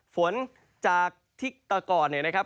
ฝนจากที่เขาตก่อน